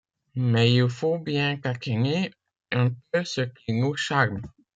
Mais il faut bien taquiner un peu ce qui nous charme.